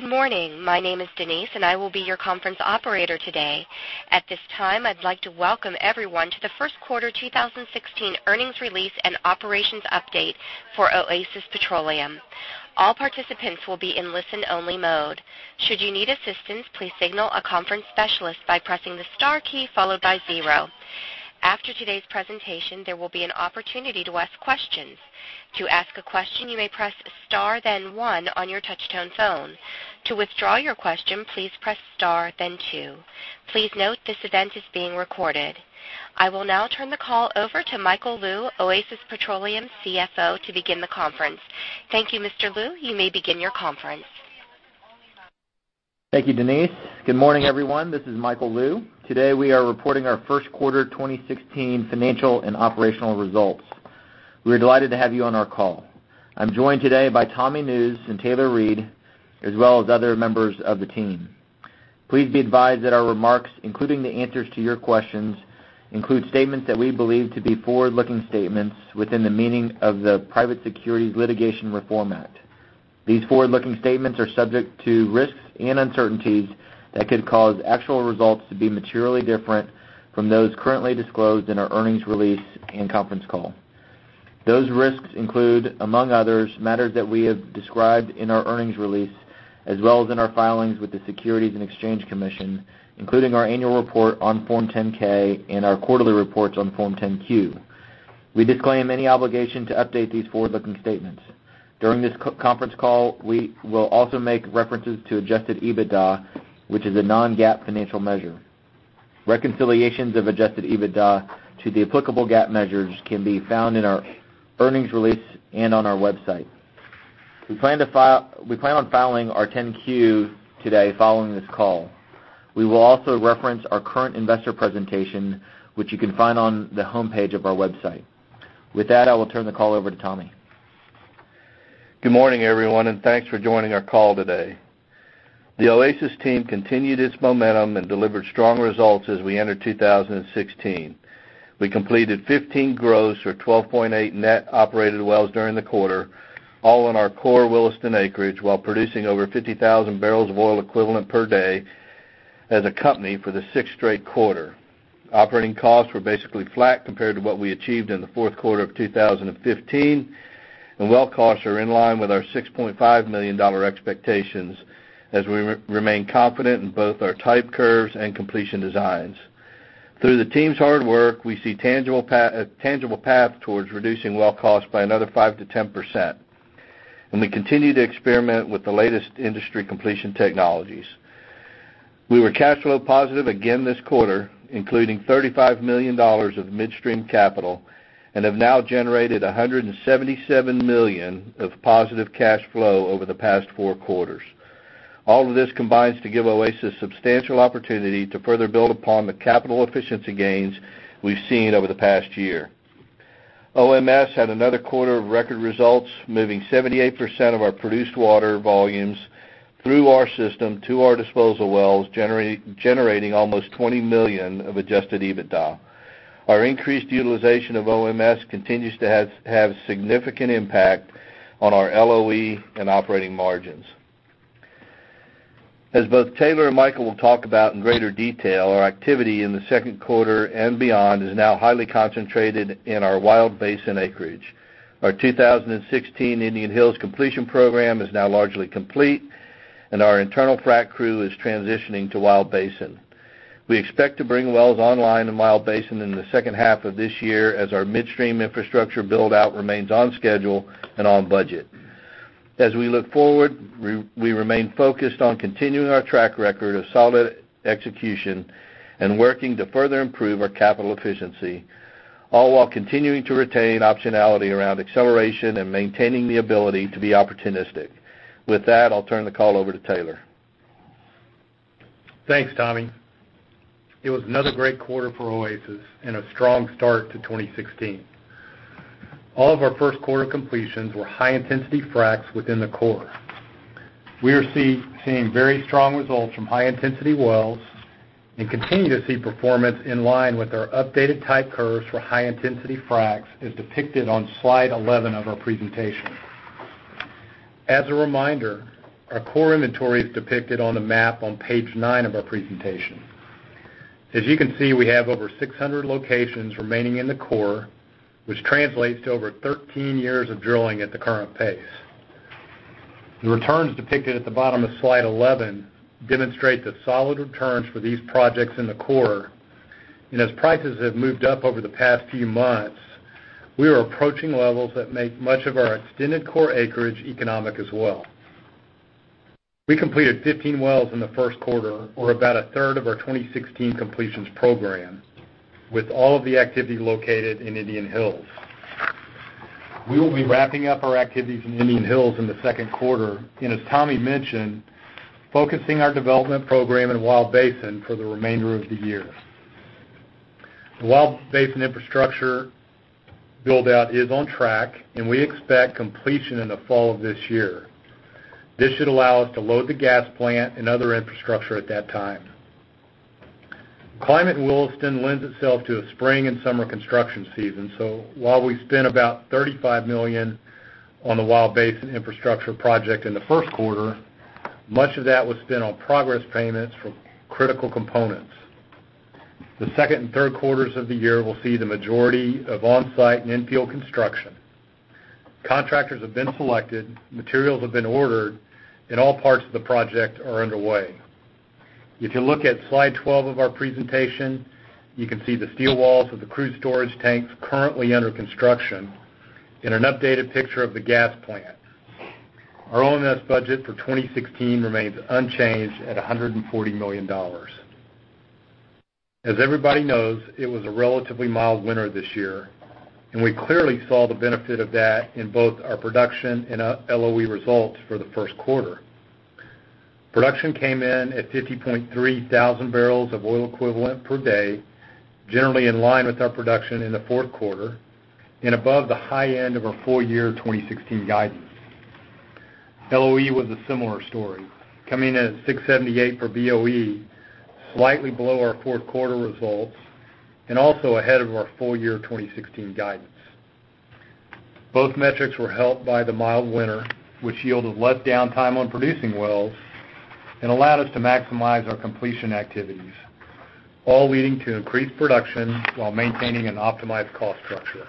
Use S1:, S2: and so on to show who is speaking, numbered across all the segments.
S1: Good morning. My name is Denise, and I will be your conference operator today. At this time, I'd like to welcome everyone to the first quarter 2016 earnings release and operations update for Oasis Petroleum. All participants will be in listen only mode. Should you need assistance, please signal a conference specialist by pressing the star key followed by zero. After today's presentation, there will be an opportunity to ask questions. To ask a question, you may press star then one on your touchtone phone. To withdraw your question, please press star then two. Please note this event is being recorded. I will now turn the call over to Michael Lou, Oasis Petroleum CFO, to begin the conference. Thank you, Mr. Lou. You may begin your conference.
S2: Thank you, Denise. Good morning, everyone. This is Michael Lou. Today, we are reporting our first quarter 2016 financial and operational results. We are delighted to have you on our call. I'm joined today by Tommy Nusz and Taylor Reid, as well as other members of the team. Please be advised that our remarks, including the answers to your questions, include statements that we believe to be forward-looking statements within the meaning of the Private Securities Litigation Reform Act. These forward-looking statements are subject to risks and uncertainties that could cause actual results to be materially different from those currently disclosed in our earnings release and conference call. Those risks include, among others, matters that we have described in our earnings release as well as in our filings with the Securities and Exchange Commission, including our annual report on Form 10-K and our quarterly reports on Form 10-Q. We disclaim any obligation to update these forward-looking statements. During this conference call, we will also make references to Adjusted EBITDA, which is a non-GAAP financial measure. Reconciliations of Adjusted EBITDA to the applicable GAAP measures can be found in our earnings release and on our website. We plan on filing our 10-Q today following this call. We will also reference our current investor presentation, which you can find on the homepage of our website. With that, I will turn the call over to Tommy.
S3: Good morning, everyone. Thanks for joining our call today. The Oasis team continued its momentum and delivered strong results as we entered 2016. We completed 15 gross or 12.8 net operated wells during the quarter, all in our core Williston acreage, while producing over 50,000 barrels of oil equivalent per day as a company for the sixth straight quarter. Operating costs were basically flat compared to what we achieved in the fourth quarter of 2015, and well costs are in line with our $6.5 million expectations as we remain confident in both our type curves and completion designs. Through the team's hard work, we see a tangible path towards reducing well costs by another 5%-10%. We continue to experiment with the latest industry completion technologies. We were cash flow positive again this quarter, including $35 million of midstream capital, and have now generated $177 million of positive cash flow over the past four quarters. All of this combines to give Oasis substantial opportunity to further build upon the capital efficiency gains we've seen over the past year. OMS had another quarter of record results, moving 78% of our produced water volumes through our system to our disposal wells, generating almost $20 million of Adjusted EBITDA. Our increased utilization of OMS continues to have significant impact on our LOE and operating margins. As both Taylor and Michael will talk about in greater detail, our activity in the second quarter and beyond is now highly concentrated in our Wild Basin acreage. Our 2016 Indian Hills completion program is now largely complete, and our internal frac crew is transitioning to Wild Basin. We expect to bring wells online in Wild Basin in the second half of this year as our midstream infrastructure build-out remains on schedule and on budget. As we look forward, we remain focused on continuing our track record of solid execution and working to further improve our capital efficiency, all while continuing to retain optionality around acceleration and maintaining the ability to be opportunistic. With that, I'll turn the call over to Taylor.
S4: Thanks, Tommy. It was another great quarter for Oasis and a strong start to 2016. All of our first quarter completions were high-intensity fracs within the core. We are seeing very strong results from high-intensity wells and continue to see performance in line with our updated type curves for high-intensity fracs, as depicted on slide 11 of our presentation. As a reminder, our core inventory is depicted on the map on page nine of our presentation. As you can see, we have over 600 locations remaining in the core, which translates to over 13 years of drilling at the current pace. The returns depicted at the bottom of slide 11 demonstrate the solid returns for these projects in the core. As prices have moved up over the past few months, we are approaching levels that make much of our extended core acreage economic as well. We completed 15 wells in the first quarter, or about a third of our 2016 completions program, with all of the activity located in Indian Hills. We will be wrapping up our activities in Indian Hills in the second quarter and, as Tommy mentioned, focusing our development program in Wild Basin for the remainder of the year. The Wild Basin infrastructure build-out is on track, and we expect completion in the fall of this year. This should allow us to load the gas plant and other infrastructure at that time. Climate in Williston lends itself to a spring and summer construction season. While we spent about $35 million on the Wild Basin infrastructure project in the first quarter, much of that was spent on progress payments for critical components. The second and third quarters of the year will see the majority of on-site and in-field construction. Contractors have been selected, materials have been ordered, and all parts of the project are underway. If you look at slide 12 of our presentation, you can see the steel walls of the crude storage tanks currently under construction and an updated picture of the gas plant. Our OMS budget for 2016 remains unchanged at $140 million. As everybody knows, it was a relatively mild winter this year, and we clearly saw the benefit of that in both our production and LOE results for the first quarter. Production came in at 50,300 barrels of oil equivalent per day, generally in line with our production in the fourth quarter and above the high end of our full year 2016 guidance. LOE was a similar story, coming in at $6.78 for BOE, slightly below our fourth quarter results, and also ahead of our full year 2016 guidance. Both metrics were helped by the mild winter, which yielded less downtime on producing wells and allowed us to maximize our completion activities, all leading to increased production while maintaining an optimized cost structure.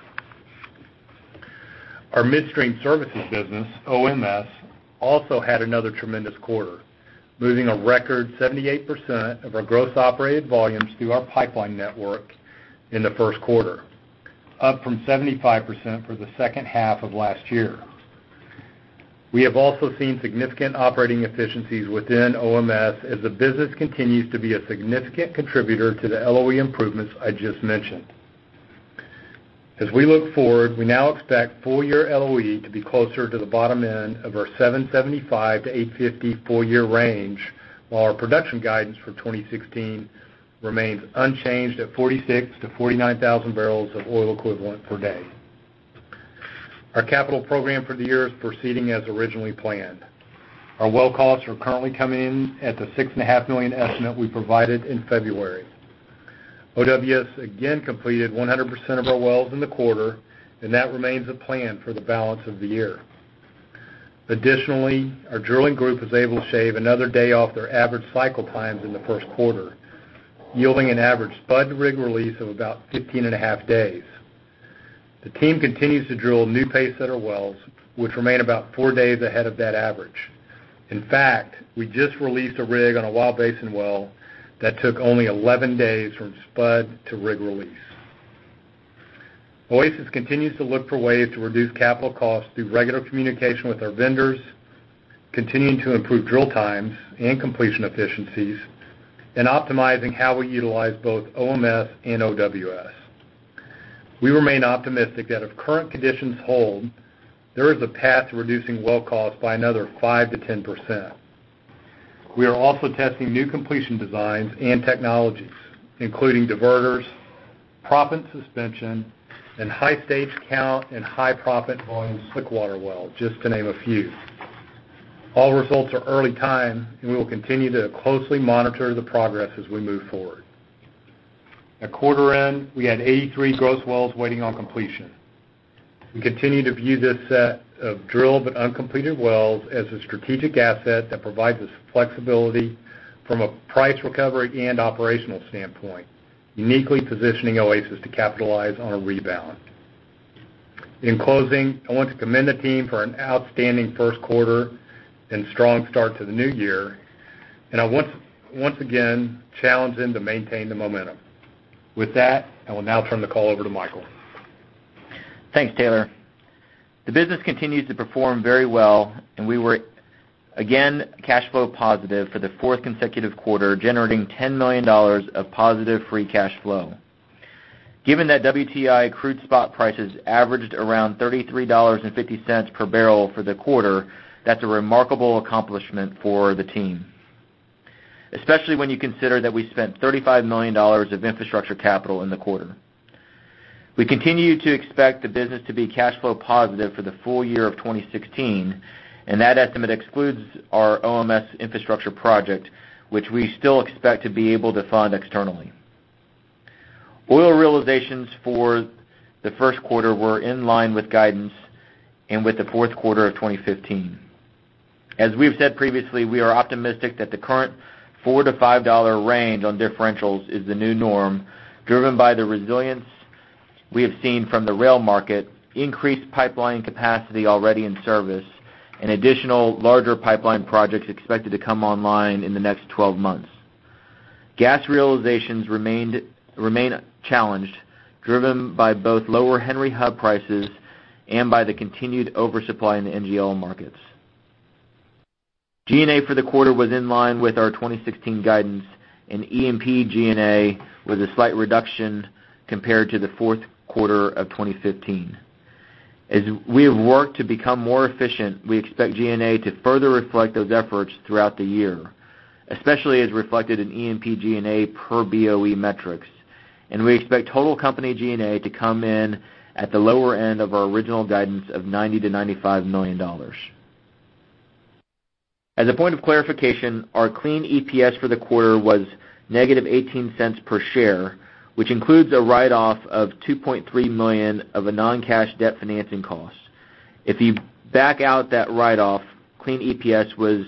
S4: Our midstream services business, OMS, also had another tremendous quarter, moving a record 78% of our gross operated volumes through our pipeline network in the first quarter, up from 75% for the second half of last year. We have also seen significant operating efficiencies within OMS as the business continues to be a significant contributor to the LOE improvements I just mentioned. As we look forward, we now expect full year LOE to be closer to the bottom end of the $7.75-$8.50 full year range, while our production guidance for 2016 remains unchanged at 46,000 to 49,000 barrels of oil equivalent per day. Our capital program for the year is proceeding as originally planned. Our well costs are currently coming in at the six and a half million dollars estimate we provided in February. OWS again completed 100% of our wells in the quarter, and that remains the plan for the balance of the year. Additionally, our drilling group was able to shave another day off their average cycle times in the first quarter, yielding an average spud-to-rig release of about 15 and a half days. The team continues to drill new pay center wells, which remain about four days ahead of that average. In fact, we just released a rig on a Wild Basin well that took only 11 days from spud to rig release. Oasis continues to look for ways to reduce capital costs through regular communication with our vendors, continuing to improve drill times and completion efficiencies, and optimizing how we utilize both OMS and OWS. We remain optimistic that if current conditions hold, there is a path to reducing well cost by another 5%-10%. We are also testing new completion designs and technologies, including diverters, proppant suspension, and high stage count and high proppant volume slickwater wells, just to name a few. All results are early time, and we will continue to closely monitor the progress as we move forward. At quarter end, we had 83 gross wells waiting on completion. We continue to view this set of drilled but uncompleted wells as a strategic asset that provides us flexibility from a price recovery and operational standpoint, uniquely positioning Oasis to capitalize on a rebound. In closing, I want to commend the team for an outstanding first quarter and strong start to the new year, and I once again challenge them to maintain the momentum. With that, I will now turn the call over to Michael.
S2: Thanks, Taylor. The business continues to perform very well, we were again cash flow positive for the fourth consecutive quarter, generating $10 million of positive free cash flow. Given that WTI crude spot prices averaged around $33.50 per barrel for the quarter, that's a remarkable accomplishment for the team, especially when you consider that we spent $35 million of infrastructure capital in the quarter. We continue to expect the business to be cash flow positive for the full year of 2016, that estimate excludes our OMS infrastructure project, which we still expect to be able to fund externally. Oil realizations for the first quarter were in line with guidance and with the fourth quarter of 2015. As we've said previously, we are optimistic that the current $4 to $5 range on differentials is the new norm, driven by the resilience we have seen from the rail market, increased pipeline capacity already in service, additional larger pipeline projects expected to come online in the next 12 months. Gas realizations remain challenged, driven by both lower Henry Hub prices and by the continued oversupply in the NGL markets. G&A for the quarter was in line with our 2016 guidance, E&P G&A was a slight reduction compared to the fourth quarter of 2015. As we have worked to become more efficient, we expect G&A to further reflect those efforts throughout the year, especially as reflected in E&P G&A per BOE metrics, we expect total company G&A to come in at the lower end of our original guidance of $90 million-$95 million. As a point of clarification, our clean EPS for the quarter was negative $0.18 per share, which includes a write-off of $2.3 million of a non-cash debt financing cost. If you back out that write-off, clean EPS was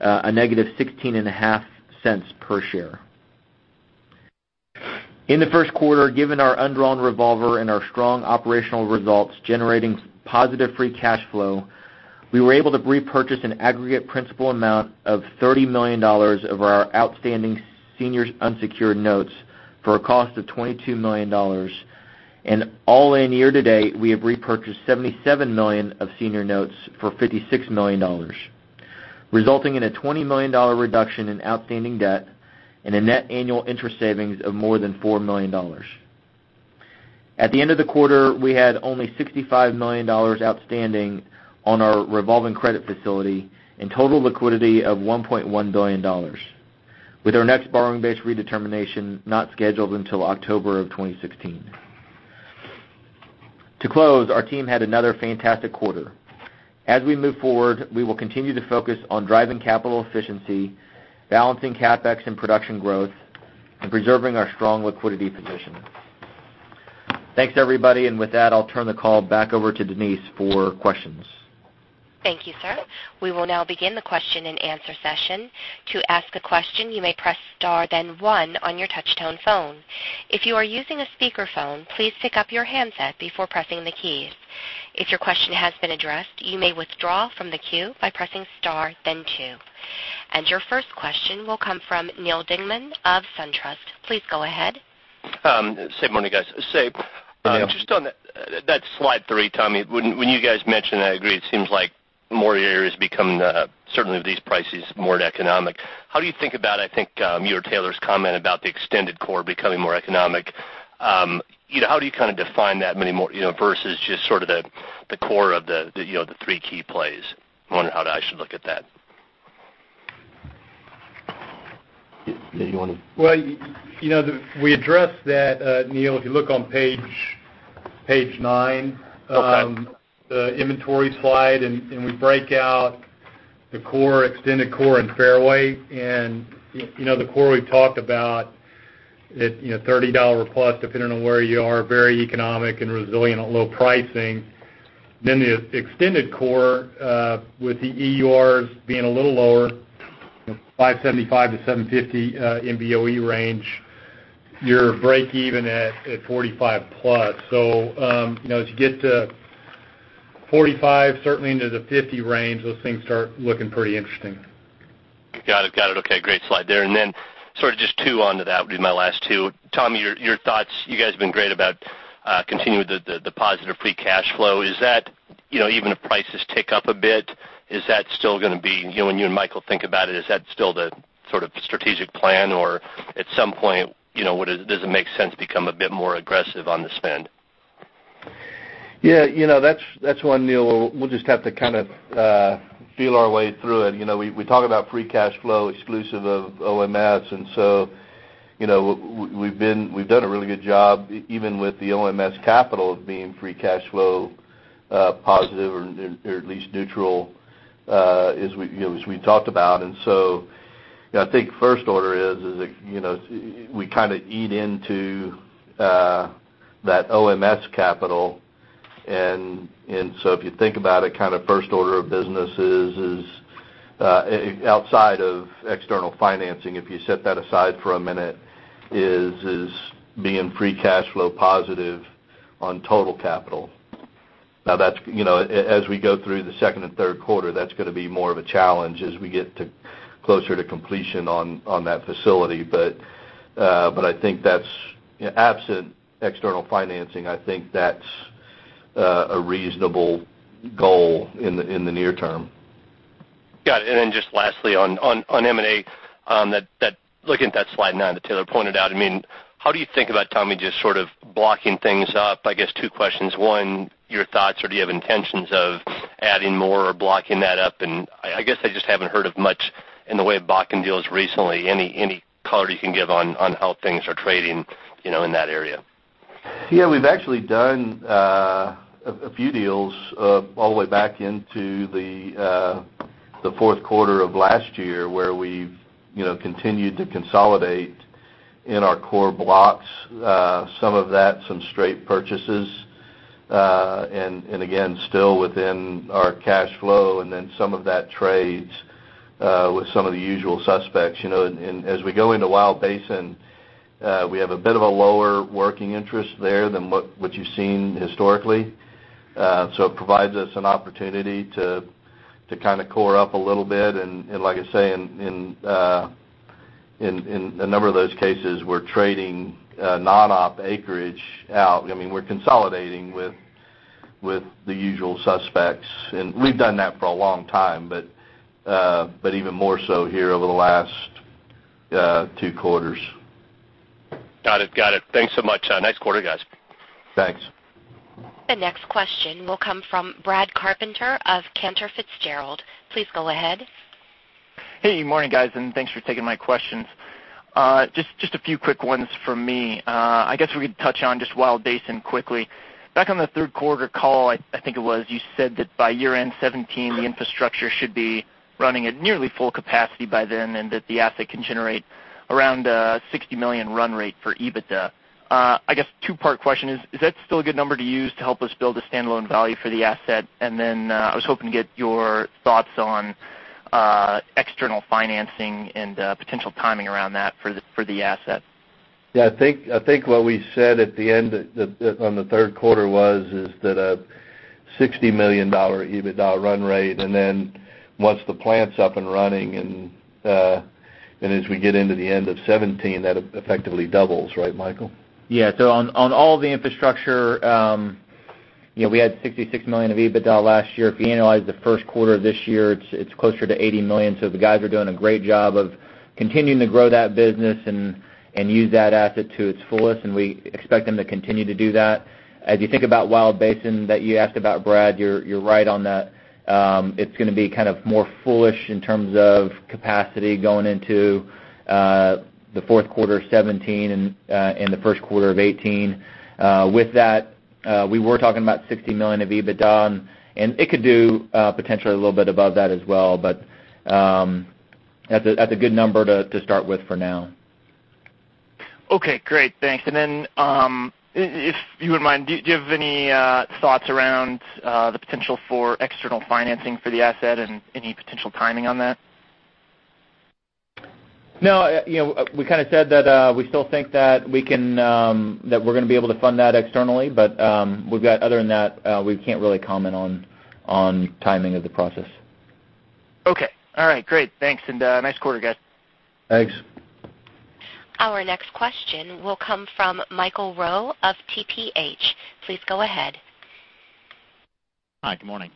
S2: a negative $0.165 per share. In the first quarter, given our undrawn revolver and our strong operational results generating positive free cash flow, we were able to repurchase an aggregate principal amount of $30 million of our outstanding senior unsecured notes for a cost of $22 million. All in year to date, we have repurchased $77 million of senior notes for $56 million, resulting in a $20 million reduction in outstanding debt and a net annual interest savings of more than $4 million. At the end of the quarter, we had only $65 million outstanding on our revolving credit facility and total liquidity of $1.1 billion, with our next borrowing base redetermination not scheduled until October of 2016. To close, our team had another fantastic quarter. As we move forward, we will continue to focus on driving capital efficiency, balancing CapEx and production growth, and preserving our strong liquidity position. Thanks, everybody. With that, I'll turn the call back over to Denise for questions.
S1: Thank you, sir. We will now begin the question and answer session. To ask a question, you may press star then one on your touchtone phone. If you are using a speakerphone, please pick up your handset before pressing the keys. If your question has been addressed, you may withdraw from the queue by pressing star then two. Your first question will come from Neal Dingmann of SunTrust. Please go ahead.
S5: Good morning, guys.
S2: Good morning
S5: just on that slide three, Tommy, when you guys mentioned, I agree, it seems like more areas become, certainly with these prices, more economic. What do you think about, I think, you or Taylor's comment about the extended core becoming more economic? How do you define that many more versus just sort of the core of the three key plays? I'm wondering how I should look at that.
S2: Do you want to?
S3: Well, we addressed that, Neal. If you look on page nine.
S5: Okay
S3: We break out the core, extended core, and fairway. The core we've talked about at $30+, depending on where you are, very economic and resilient at low pricing. The extended core, with the EURs being a little lower, 575-750 MBOE range, your break even at $45+. As you get to $45, certainly into the $50 range, those things start looking pretty interesting.
S5: Got it. Okay. Great slide there. Sort of just two onto that, will be my last two. Tommy, your thoughts, you guys have been great about continuing with the positive free cash flow. Even if prices tick up a bit, when you and Michael think about it, is that still the sort of strategic plan, or at some point, does it make sense to become a bit more aggressive on the spend?
S3: Yeah, that's one, Neil, we'll just have to kind of feel our way through it. We talk about free cash flow exclusive of OMS. We've done a really good job even with the OMS capital of being free cash flow positive or at least neutral as we talked about. I think first order is we kind of eat into that OMS capital. If you think about it, first order of business is, outside of external financing, if you set that aside for a minute, is being free cash flow positive on total capital. As we go through the second and third quarter, that's going to be more of a challenge as we get closer to completion on that facility. I think absent external financing, I think that's a reasonable goal in the near term.
S5: Got it. Just lastly, on M&A, looking at that slide nine that Taylor pointed out, how do you think about, Tommy, just sort of blocking things up? I guess two questions. One, your thoughts or do you have intentions of adding more or blocking that up? I guess I just haven't heard of much in the way of blocking deals recently. Any color you can give on how things are trading in that area?
S3: We've actually done a few deals all the way back into the fourth quarter of last year, where we've continued to consolidate in our core blocks. Some of that, some straight purchases, and again, still within our cash flow, then some of that trades with some of the usual suspects. As we go into Wild Basin, we have a bit of a lower working interest there than what you've seen historically. It provides us an opportunity to core up a little bit, and like I say, in a number of those cases, we're trading non-op acreage out. We're consolidating with the usual suspects. We've done that for a long time, but even more so here over the last two quarters.
S5: Got it. Thanks so much. Nice quarter, guys.
S3: Thanks.
S1: The next question will come from Brad Carpenter of Cantor Fitzgerald. Please go ahead.
S6: Hey, good morning, guys, and thanks for taking my questions. Just a few quick ones from me. I guess we could touch on just Wild Basin quickly. Back on the third quarter call, I think it was, you said that by year-end 2017, the infrastructure should be running at nearly full capacity by then, that the asset can generate around a $60 million run rate for EBITDA. I guess two-part question is: Is that still a good number to use to help us build a standalone value for the asset? Then, I was hoping to get your thoughts on external financing and potential timing around that for the asset.
S3: Yeah, I think what we said at the end on the third quarter was, is that a $60 million EBITDA run rate, and then once the plant's up and running and as we get into the end of 2017, that effectively doubles, right, Michael?
S4: Yeah. On all the infrastructure, we had $66 million of EBITDA last year. If you annualize the first quarter of this year, it's closer to $80 million. The guys are doing a great job of continuing to grow that business and use that asset to its fullest, and we expect them to continue to do that. As you think about Wild Basin that you asked about, Brad, you're right on that. It's going to be more fullest in terms of capacity going into the fourth quarter 2017 and the first quarter of 2018. With that, we were talking about $60 million of EBITDA, and it could do potentially a little bit above that as well, but that's a good number to start with for now.
S6: Okay, great. Thanks. If you wouldn't mind, do you have any thoughts around the potential for external financing for the asset and any potential timing on that?
S4: No. We said that we still think that we're going to be able to fund that externally, other than that, we can't really comment on timing of the process.
S6: Okay. All right. Great. Thanks, and nice quarter, guys.
S3: Thanks.
S1: Our next question will come from Michael Roe of TPH. Please go ahead.
S7: Hi, good morning.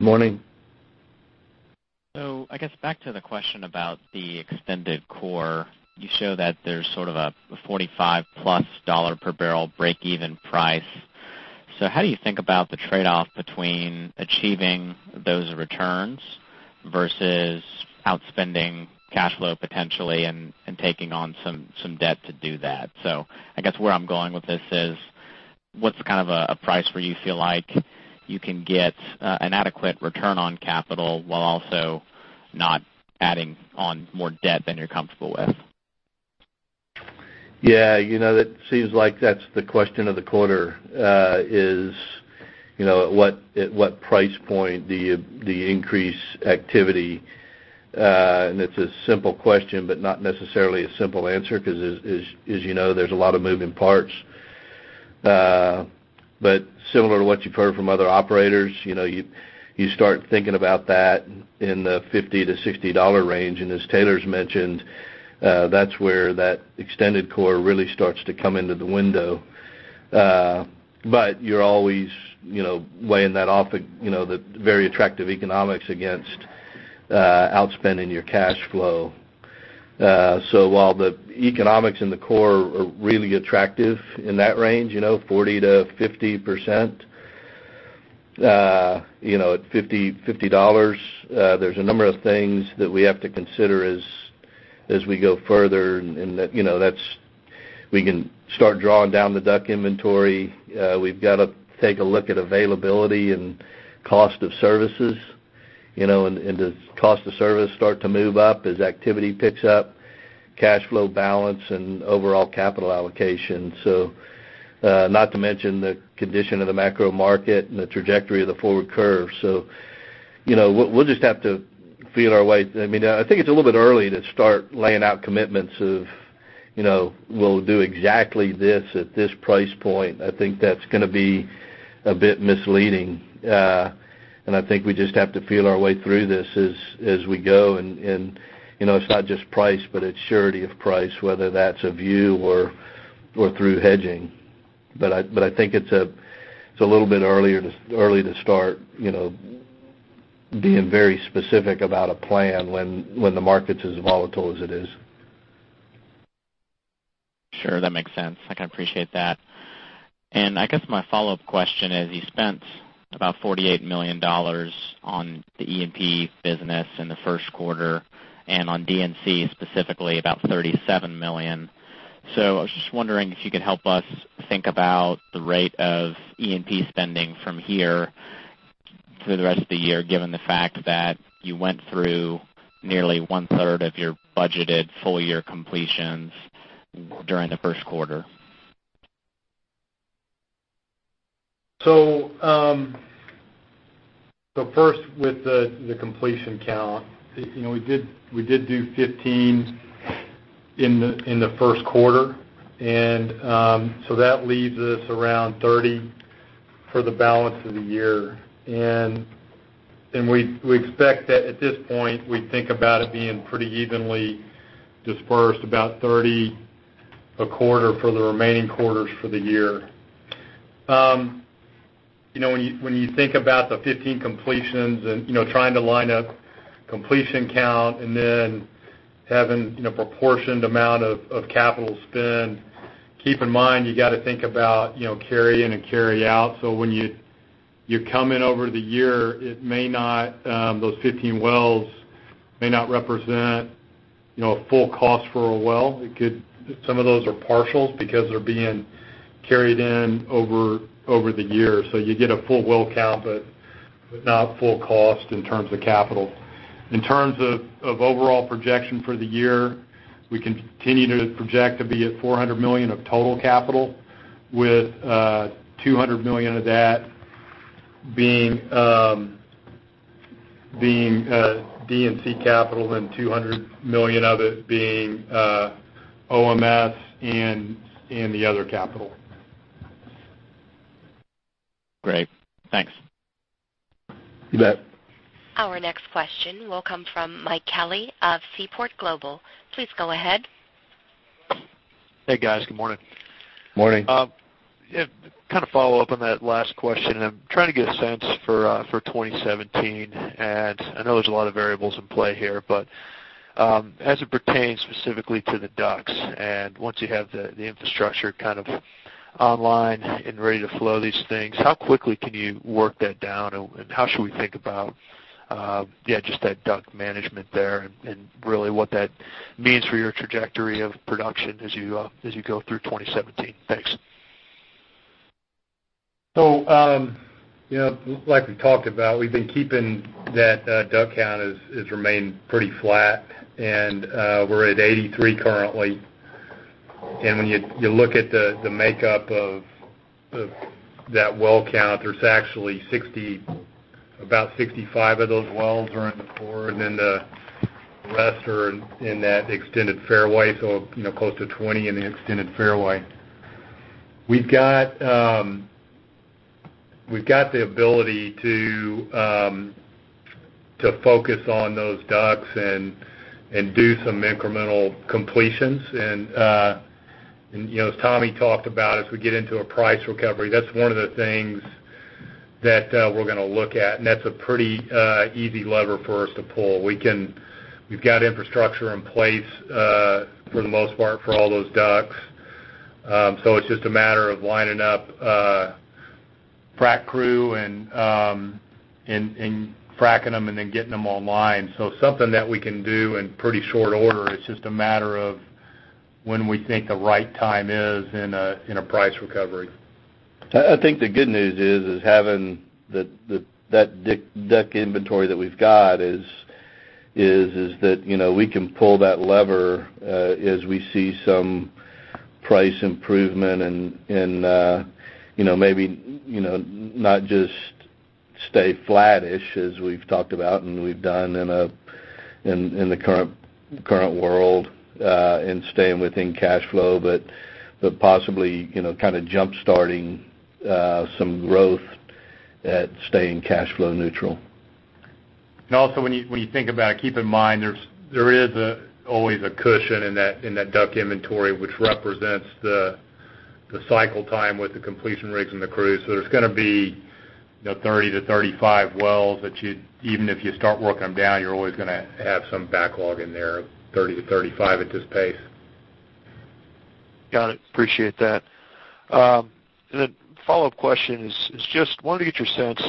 S3: Morning.
S7: I guess back to the question about the extended core. You show that there's sort of a $45 plus per barrel breakeven price. How do you think about the trade-off between achieving those returns versus outspending cash flow potentially and taking on some debt to do that? I guess where I'm going with this is: What's a price where you feel like you can get an adequate return on capital while also not adding on more debt than you're comfortable with?
S3: Yeah. It seems like that's the question of the quarter, is at what price point the increased activity. It's a simple question, but not necessarily a simple answer because, as you know, there's a lot of moving parts. Similar to what you've heard from other operators, you start thinking about that in the $50-$60 range. As Taylor's mentioned, that's where that extended core really starts to come into the window. You're always weighing that off, the very attractive economics against outspending your cash flow. While the economics in the core are really attractive in that range, 40%-50%. At $50, there's a number of things that we have to consider as we go further, we can start drawing down the DUC inventory. We've got to take a look at availability and cost of services, does cost of service start to move up as activity picks up? Cash flow balance and overall capital allocation. Not to mention the condition of the macro market and the trajectory of the forward curve. We'll just have to feel our way. I think it's a little bit early to start laying out commitments of, we'll do exactly this at this price point. I think that's going to be a bit misleading. I think we just have to feel our way through this as we go. It's not just price, but it's surety of price, whether that's a view or through hedging. I think it's a little bit early to start being very specific about a plan when the market's as volatile as it is.
S7: Sure. That makes sense. I can appreciate that. I guess my follow-up question is: You spent about $48 million on the E&P business in the first quarter, on D&C specifically, about $37 million. I was just wondering if you could help us think about the rate of E&P spending from here through the rest of the year, given the fact that you went through nearly one-third of your budgeted full-year completions during the first quarter.
S4: First, with the completion count. We did do 15 in the first quarter. That leaves us around 30 for the balance of the year. We expect that at this point, we think about it being pretty evenly dispersed about 30 a quarter for the remaining quarters for the year. When you think about the 15 completions and trying to line up completion count and then having a proportioned amount of capital spend, keep in mind you got to think about carry in and carry out. When you come in over the year, those 15 wells may not represent a full cost for a well. Some of those are partial because they're being carried in over the year. You get a full well count, but not full cost in terms of capital. In terms of overall projection for the year, we continue to project to be at $400 million of total capital, with $200 million of that being D&C capital and $200 million of it being OMS and the other capital.
S3: Great, thanks.
S4: You bet.
S1: Our next question will come from Mike Kelly of Seaport Global. Please go ahead.
S8: Hey, guys. Good morning.
S4: Morning.
S8: Kind of follow up on that last question. I'm trying to get a sense for 2017. I know there's a lot of variables in play here, but as it pertains specifically to the DUCs, once you have the infrastructure kind of online and ready to flow these things, how quickly can you work that down and how should we think about just that DUC management there and really what that means for your trajectory of production as you go through 2017? Thanks.
S4: Like we talked about, we've been keeping that DUC count has remained pretty flat, and we're at 83 currently. When you look at the makeup of that well count, there's actually about 65 of those wells are in the core and then the rest are in that extended fairway, close to 20 in the extended fairway. We've got the ability to focus on those DUCs and do some incremental completions. As Tommy talked about, as we get into a price recovery, that's one of the things that we're going to look at, and that's a pretty easy lever for us to pull. We've got infrastructure in place for the most part for all those DUCs. It's just a matter of lining up frack crew and fracking them and then getting them online. Something that we can do in pretty short order. It's just a matter of when we think the right time is in a price recovery.
S3: I think the good news is having that DUC inventory that we've got is that we can pull that lever as we see some price improvement and maybe not just stay flattish as we've talked about and we've done in the current world in staying within cash flow, but possibly kind of jump-starting some growth at staying cash flow neutral.
S4: Also when you think about it, keep in mind, there is always a cushion in that DUC inventory, which represents the cycle time with the completion rigs and the crews. There's going to be 30-35 wells that even if you start working them down, you're always going to have some backlog in there of 30-35 at this pace.
S8: Got it. Appreciate that. The follow-up question is just wanted to get your sense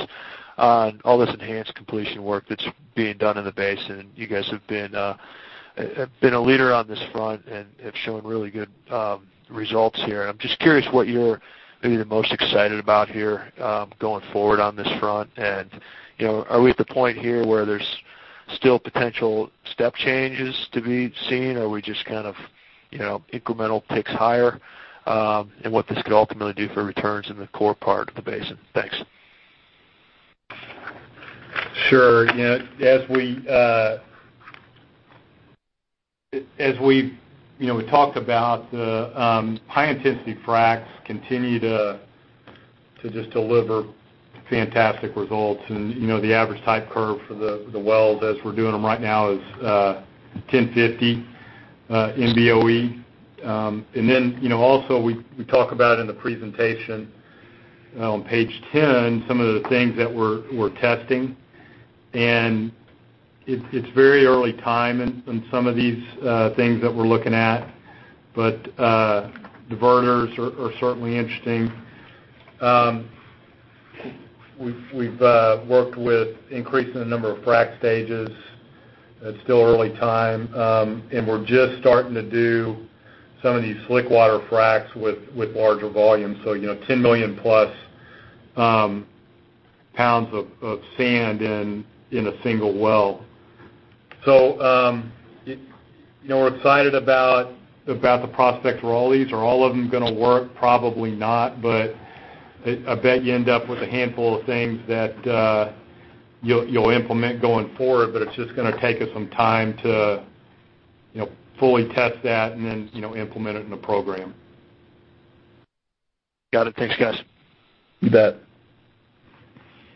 S8: on all this enhanced completion work that's being done in the basin. You guys have been a leader on this front and have shown really good results here. I'm just curious what you're maybe the most excited about here going forward on this front. Are we at the point here where there's still potential step changes to be seen, or are we just kind of incremental ticks higher, and what this could ultimately do for returns in the core part of the basin? Thanks.
S4: Sure. As we talked about, the high-intensity fracs continue to just deliver fantastic results, and the average type curve for the wells as we're doing them right now is 1,050 MBOE. Also we talk about in the presentation on page 10 some of the things that we're testing, and it's very early time in some of these things that we're looking at, but diverters are certainly interesting. We've worked with increasing the number of frac stages. It's still early time. We're just starting to do some of these slickwater fracs with larger volumes, so 10 million-plus pounds of sand in a single well. We're excited about the prospects for all these. Are all of them going to work? Probably not, but I bet you end up with a handful of things that you'll implement going forward, but it's just going to take us some time to fully test that and then implement it in a program.
S8: Got it. Thanks, guys.
S4: You bet.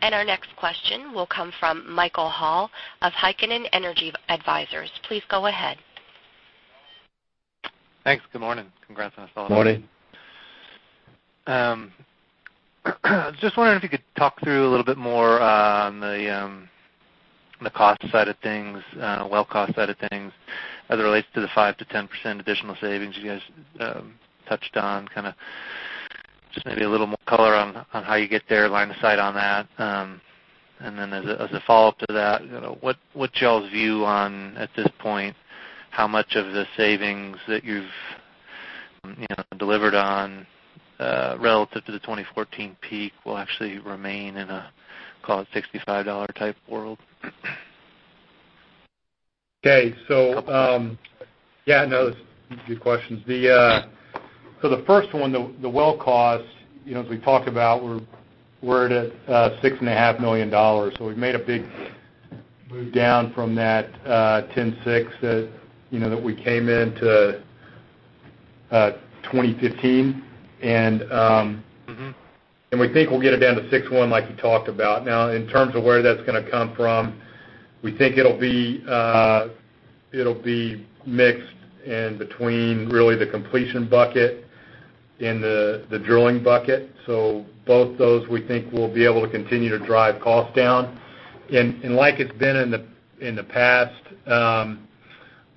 S1: Our next question will come from Michael Hall of Heikkinen Energy Advisors. Please go ahead.
S9: Thanks. Good morning. Congrats on this all.
S4: Morning.
S9: Just wondering if you could talk through a little bit more on the cost side of things, well cost side of things, as it relates to the 5%-10% additional savings you guys touched on. Just maybe a little more color on how you get there, line of sight on that. As a follow-up to that, what's y'all's view on, at this point, how much of the savings that you've delivered on relative to the 2014 peak will actually remain in a, call it $65 type world?
S4: That's a good question. The first one, the well cost, as we talked about, we're at $6.5 million. We've made a big move down from that $10.6 million that we came into 2015. We think we'll get it down to $6.1 million, like you talked about. In terms of where that's going to come from, we think it'll be mixed in between really the completion bucket and the drilling bucket. Both those, we think, will be able to continue to drive costs down. Like it's been in the past,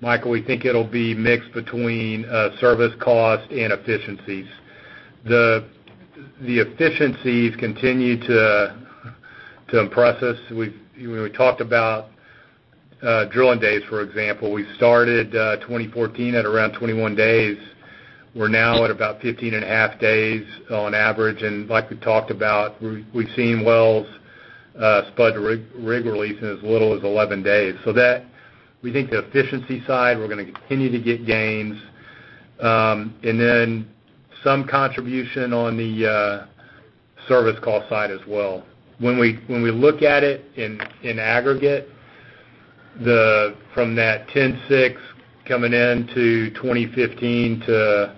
S4: Michael, we think it'll be mixed between service cost and efficiencies. The efficiencies continue to impress us. When we talked about drilling days, for example, we started 2014 at around 21 days. We're now at about 15.5 days on average. Like we talked about, we've seen wells spud-to-rig release in as little as 11 days. That, we think the efficiency side, we're going to continue to get gains. Then some contribution on the service cost side as well. When we look at it in aggregate, from that $10.6 coming in to 2015 to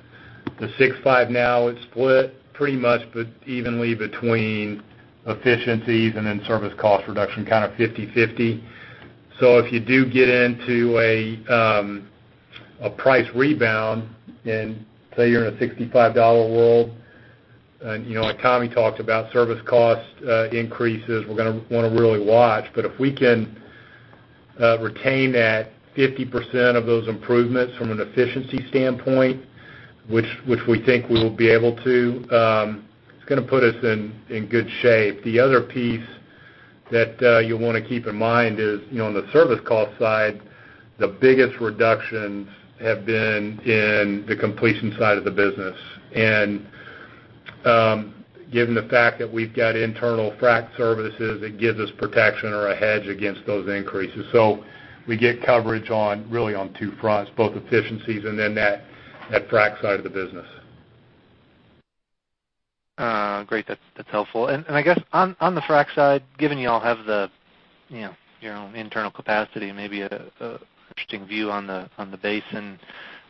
S4: the $6.5 now, it's split pretty much evenly between efficiencies and then service cost reduction, kind of 50/50. If you do get into a price rebound and say you're in a $65 world, like Tommy talked about, service cost increases, we're going to want to really watch. If we can retain that 50% of those improvements from an efficiency standpoint, which we think we will be able to, it's going to put us in good shape. The other piece that you'll want to keep in mind is, on the service cost side, the biggest reductions have been in the completion side of the business. Given the fact that we've got internal frack services, it gives us protection or a hedge against those increases. We get coverage really on two fronts, both efficiencies and then that frack side of the business.
S9: Great. That's helpful. I guess on the frack side, given you all have your own internal capacity and maybe an interesting view on the basin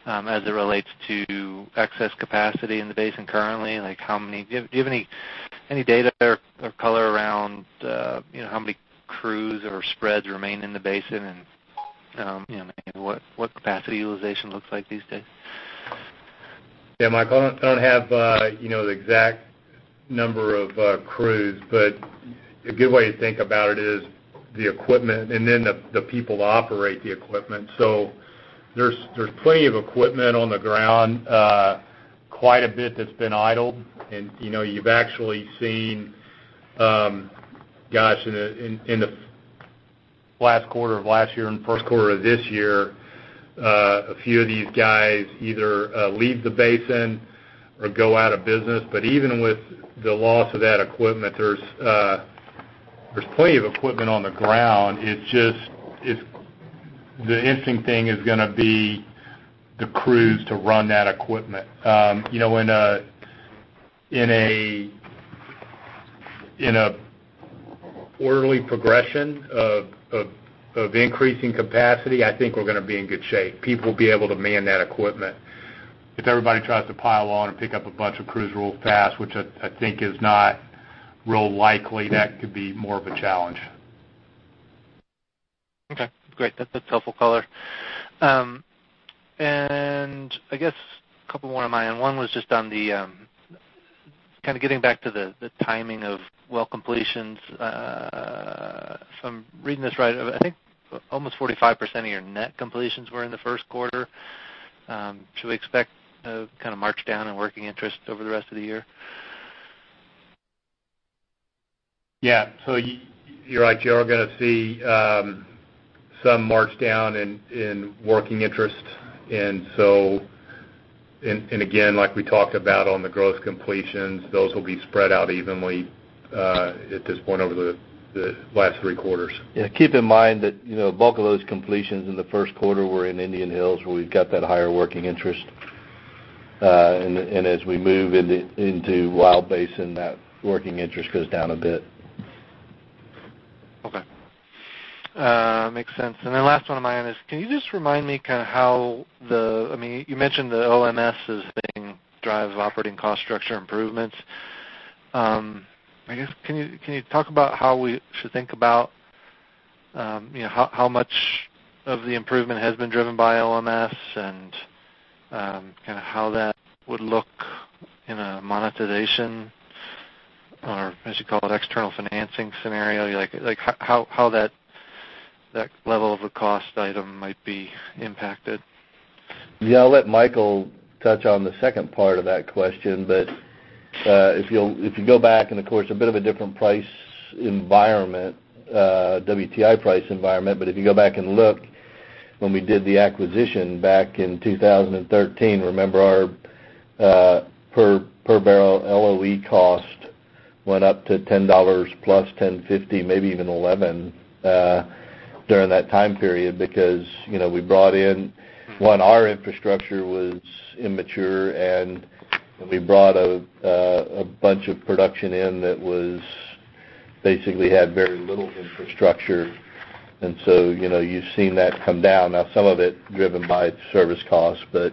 S9: as it relates to excess capacity in the basin currently. Do you have any data or color around how many crews or spreads remain in the basin and maybe what capacity utilization looks like these days?
S4: Yeah, Michael, I don't have the exact number of crews, but a good way to think about it is the equipment and then the people operate the equipment. There's plenty of equipment on the ground. Quite a bit that's been idled, and you've actually seen, gosh, in the last quarter of last year and first quarter of this year, a few of these guys either leave the basin or go out of business. Even with the loss of that equipment, there's plenty of equipment on the ground. The interesting thing is going to be the crews to run that equipment. In a orderly progression of increasing capacity, I think we're going to be in good shape. People will be able to man that equipment. If everybody tries to pile on and pick up a bunch of crews real fast, which I think is not real likely, that could be more of a challenge.
S9: Okay, great. That's helpful color. I guess a couple more on my end. One was just on the kind of getting back to the timing of well completions. If I'm reading this right, I think almost 45% of your net completions were in the first quarter. Should we expect a kind of march down in working interest over the rest of the year?
S4: Yeah. You're right. You are going to see some march down in working interest. Again, like we talked about on the growth completions, those will be spread out evenly, at this point, over the last three quarters.
S3: Yeah. Keep in mind that the bulk of those completions in the first quarter were in Indian Hills, where we've got that higher working interest. As we move into Wild Basin, that working interest goes down a bit.
S9: Okay. Makes sense. Last one on my end is, can you just remind me how you mentioned the OMS as being drivers of operating cost structure improvements. I guess, can you talk about how we should think about how much of the improvement has been driven by OMS and how that would look in a monetization Or as you call it, external financing scenario, how that level of a cost item might be impacted?
S4: Yeah, I'll let Michael touch on the second part of that question, if you go back and of course, a bit of a different WTI price environment. If you go back and look when we did the acquisition back in 2013, remember our per barrel LOE cost went up to $10 plus $10.50, maybe even $11 during that time period, because our infrastructure was immature, and we brought a bunch of production in that basically had very little infrastructure. You've seen that come down. Now, some of it driven by service costs, but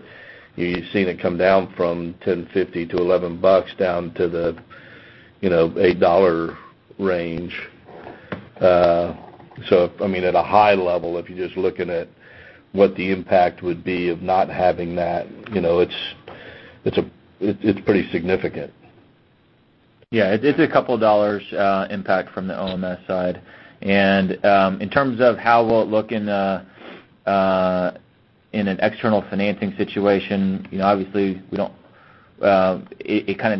S4: you've seen it come down from $10.50 to 11 bucks down to the $8 range. At a high level, if you're just looking at what the impact would be of not having that, it's pretty significant.
S2: Yeah. It's a couple of dollars impact from the OMS side. In terms of how we'll look in an external financing situation, obviously, it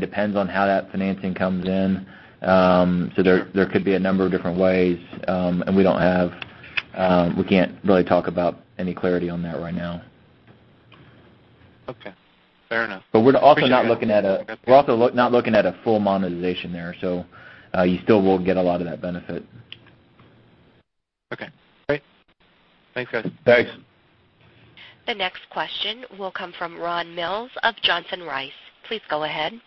S2: depends on how that financing comes in. There could be a number of different ways, and we can't really talk about any clarity on that right now.
S9: Okay. Fair enough. Appreciate it.
S2: We're also not looking at a full monetization there. You still will get a lot of that benefit.
S9: Okay, great. Thanks, guys.
S4: Thanks.
S1: The next question will come from Ron Mills of Johnson Rice. Please go ahead.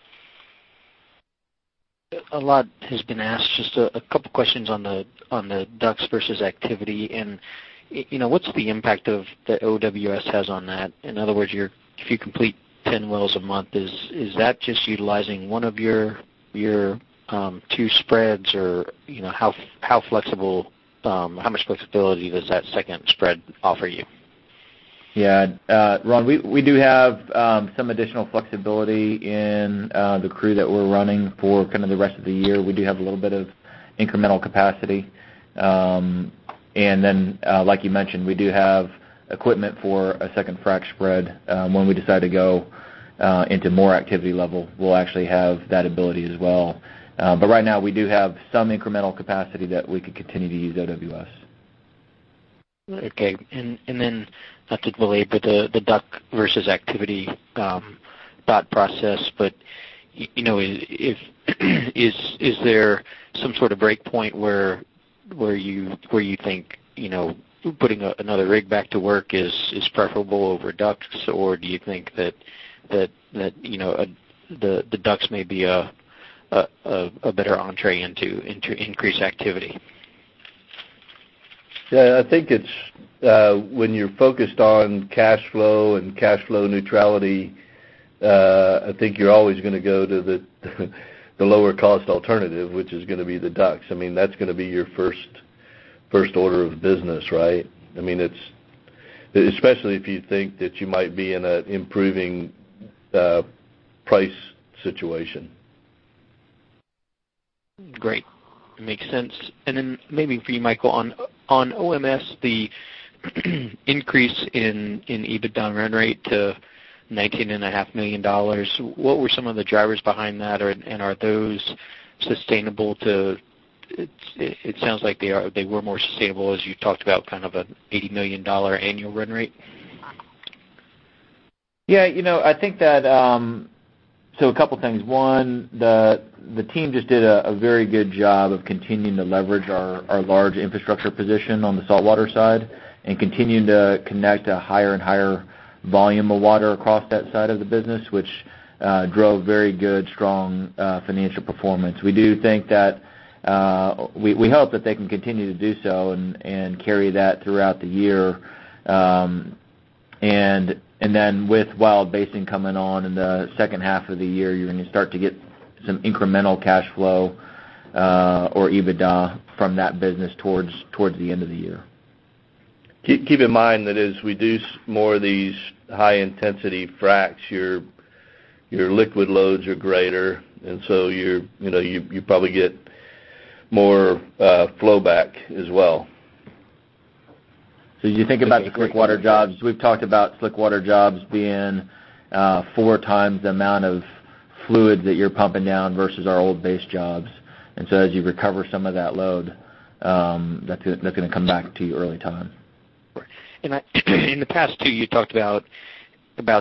S10: A lot has been asked, just a couple questions on the DUCs versus activity, and what's the impact of the OWS has on that? In other words, if you complete 10 wells a month, is that just utilizing one of your two spreads, or how much flexibility does that second spread offer you?
S4: Ron, we do have some additional flexibility in the crew that we're running for the rest of the year. We do have a little bit of incremental capacity. Like you mentioned, we do have equipment for a second frac spread. When we decide to go into more activity level, we'll actually have that ability as well. Right now, we do have some incremental capacity that we could continue to use OWS.
S10: Okay. Not to belabor the DUC versus activity thought process, but is there some sort of breakpoint where you think putting another rig back to work is preferable over DUCs, or do you think that the DUCs may be a better entrée into increased activity?
S4: Yeah, when you're focused on cash flow and cash flow neutrality, I think you're always going to go to the lower cost alternative, which is going to be the DUCs. That's going to be your first order of business, right? Especially if you think that you might be in an improving price situation.
S10: Great. Makes sense. Maybe for you, Michael, on OMS, the increase in EBITDA run rate to $19.5 million, what were some of the drivers behind that? Are those sustainable? It sounds like they were more sustainable as you talked about an $80 million annual run rate.
S2: Yeah. A couple things. One, the team just did a very good job of continuing to leverage our large infrastructure position on the saltwater side and continuing to connect a higher and higher volume of water across that side of the business, which drove very good, strong financial performance. We hope that they can continue to do so and carry that throughout the year. With Wild Basin coming on in the second half of the year, you're going to start to get some incremental cash flow, or EBITDA, from that business towards the end of the year.
S4: Keep in mind that as we do more of these high-intensity fracs, your liquid loads are greater, you probably get more flowback as well.
S2: As you think about the slickwater jobs, we've talked about slickwater jobs being four times the amount of fluid that you're pumping down versus our old base jobs. As you recover some of that load, that's going to come back to you early time.
S10: Right. In the past two, you talked about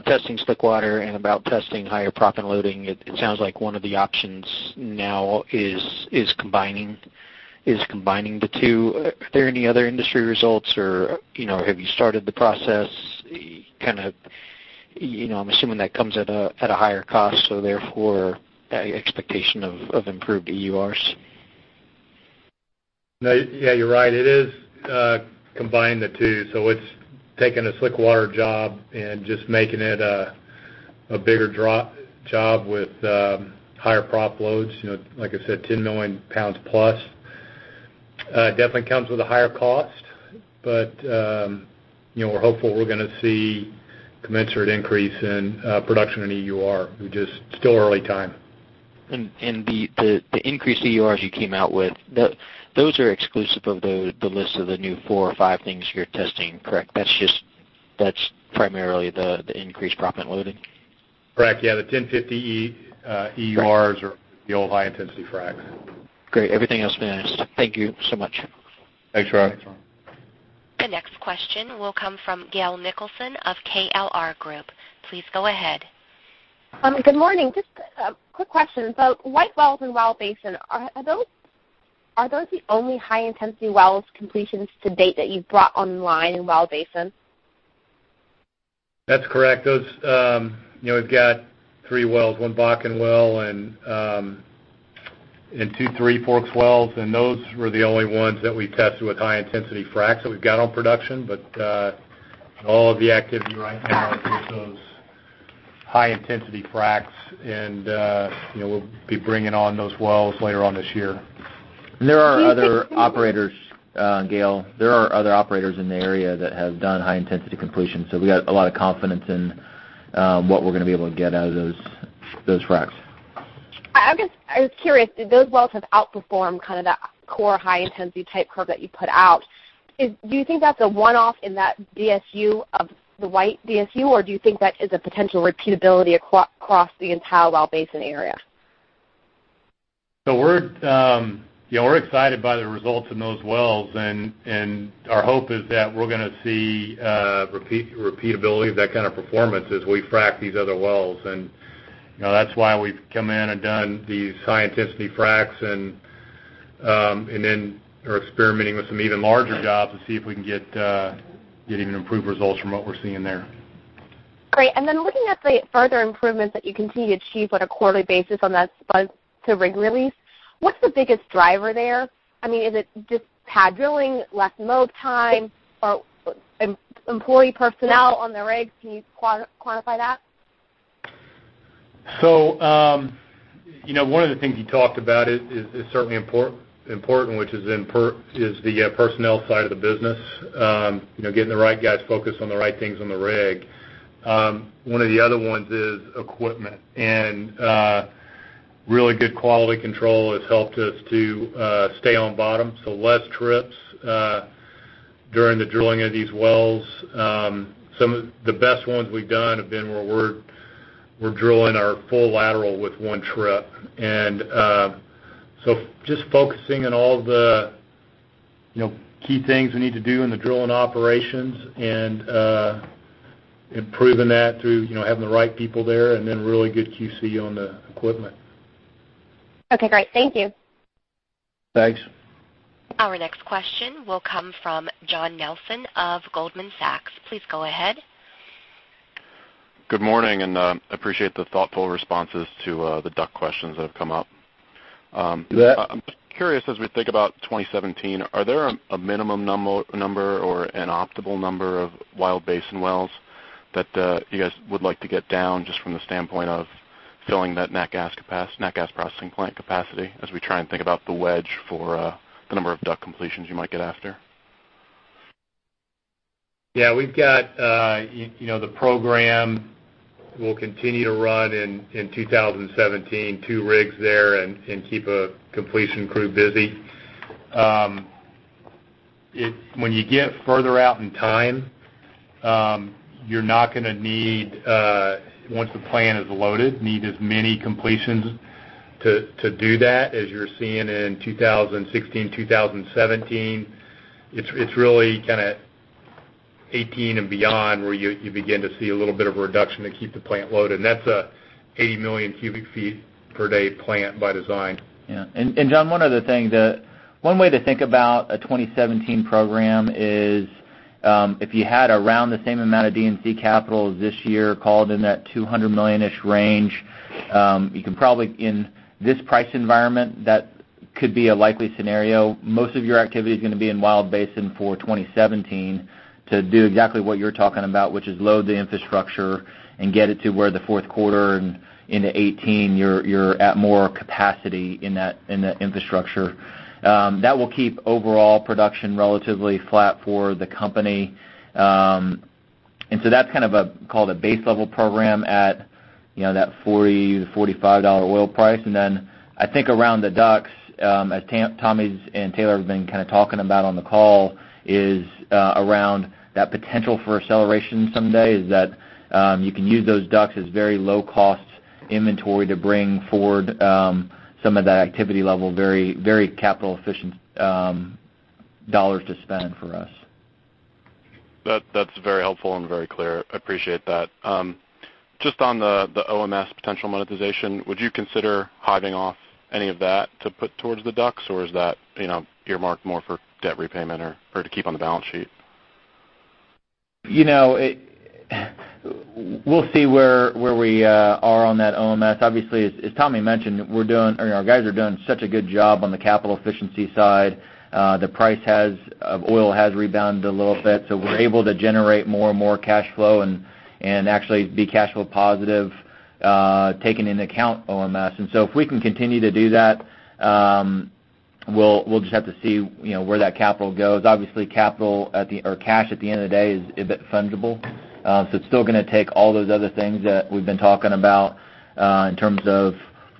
S10: testing slickwater and about testing higher proppant loading. It sounds like one of the options now is combining the two. Are there any other industry results, or have you started the process? I'm assuming that comes at a higher cost, therefore, expectation of improved EURs.
S4: Yeah, you're right. It is combining the two. It's taking a slickwater job and just making it a bigger job with higher prop loads. Like I said, 10 million pounds+. It definitely comes with a higher cost, but we're hopeful we're going to see commensurate increase in production in EUR. It's still early time.
S10: The increased EURs you came out with, those are exclusive of the list of the new four or five things you're testing, correct? That's primarily the increased proppant loading.
S4: Correct. Yeah. The 1050 EURs are the old high-intensity fracs.
S10: Great. Everything else makes sense. Thank you so much.
S4: Thanks, Ron.
S1: The next question will come from Gael Nicholson of KLR Group. Please go ahead.
S11: Good morning. Just a quick question about white wells in Wild Basin. Are those the only high-intensity wells completions to date that you've brought online in Wild Basin?
S4: That's correct. We've got three wells, one Bakken well, and two Three Forks wells, and those were the only ones that we tested with high-intensity fracs that we've got on production. All of the activity right now is those high-intensity fracs, and we'll be bringing on those wells later on this year.
S2: There are other operators, Gael, in the area that have done high-intensity completion. We got a lot of confidence in what we're going to be able to get out of those fracs.
S11: I was curious. Those wells have outperformed that core high-intensity type curve that you put out. Do you think that's a one-off in that DSU of the white DSU, or do you think that is a potential repeatability across the entire Wild Basin area?
S4: We're excited by the results in those wells, and our hope is that we're going to see repeatability of that kind of performance as we frac these other wells. That's why we've come in and done these high-intensity fracs, are experimenting with some even larger jobs to see if we can get even improved results from what we're seeing there.
S11: Great. Looking at the further improvements that you continue to achieve on a quarterly basis on that spud-to-rig release, what's the biggest driver there? Is it just pad drilling, less mob time, or employee personnel on the rigs? Can you quantify that?
S4: One of the things you talked about is certainly important, which is the personnel side of the business. Getting the right guys focused on the right things on the rig. One of the other ones is equipment, and really good quality control has helped us to stay on bottom, so less trips during the drilling of these wells. Some of the best ones we've done have been where we're drilling our full lateral with one trip. Just focusing on all the key things we need to do in the drilling operations and improving that through having the right people there, and then really good QC on the equipment.
S11: Okay, great. Thank you.
S4: Thanks.
S1: Our next question will come from John Nelsen of Goldman Sachs. Please go ahead.
S12: Good morning, appreciate the thoughtful responses to the DUC questions that have come up.
S4: You bet.
S12: I'm just curious, as we think about 2017, are there a minimum number or an optimal number of Wild Basin wells that you guys would like to get down just from the standpoint of filling that natgas processing plant capacity as we try and think about the wedge for the number of DUC completions you might get after?
S4: Yeah. The program will continue to run in 2017, two rigs there and keep a completion crew busy. When you get further out in time, you're not going to need, once the plant is loaded, as many completions to do that as you're seeing in 2016, 2017. It's really kind of 2018 and beyond where you begin to see a little bit of a reduction to keep the plant loaded. That's a 80 million cubic feet per day plant by design.
S2: Yeah. John, one other thing. One way to think about a 2017 program is if you had around the same amount of D&C capital this year called in that 200 million-ish range, you can probably, in this price environment, that could be a likely scenario. Most of your activity is going to be in Wild Basin for 2017 to do exactly what you're talking about, which is load the infrastructure and get it to where the fourth quarter and into 2018, you're at more capacity in the infrastructure. That will keep overall production relatively flat for the company. That's called a base level program at that $40-$45 oil price. I think around the DUCs, as Tommy and Taylor have been talking about on the call, is around that potential for acceleration someday, is that you can use those DUCs as very low-cost inventory to bring forward some of that activity level, very capital efficient dollars to spend for us.
S12: That's very helpful and very clear. I appreciate that. Just on the OMS potential monetization, would you consider hiving off any of that to put towards the DUCs, or is that earmarked more for debt repayment or to keep on the balance sheet?
S2: We'll see where we are on that OMS. Obviously, as Tommy mentioned, our guys are doing such a good job on the capital efficiency side. The price of oil has rebounded a little bit, so we're able to generate more and more cash flow and actually be cash flow positive, taking into account OMS. If we can continue to do that, we'll just have to see where that capital goes. Obviously, cash at the end of the day is a bit fungible. It's still going to take all those other things that we've been talking about in terms of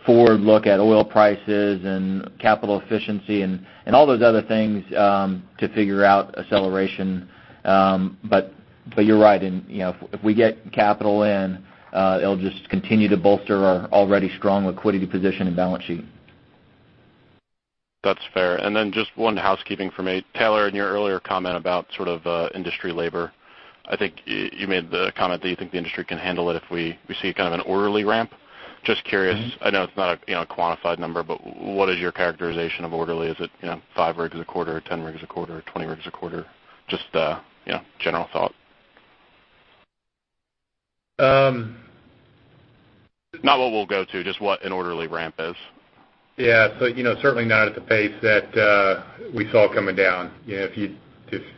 S2: forward look at oil prices and capital efficiency and all those other things to figure out acceleration. You're right. If we get capital in, it'll just continue to bolster our already strong liquidity position and balance sheet.
S12: That's fair. Just one housekeeping for me. Taylor, in your earlier comment about industry labor, I think you made the comment that you think the industry can handle it if we see an orderly ramp. Just curious, I know it's not a quantified number, but what is your characterization of orderly? Is it five rigs a quarter, 10 rigs a quarter, 20 rigs a quarter? Just a general thought.
S4: Um-
S12: Not what we'll go to, just what an orderly ramp is.
S4: Yeah. Certainly not at the pace that we saw coming down. If